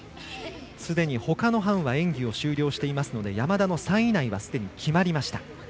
すでにほかの班は演技を終了していますので山田の３位以内はすでに決まりました。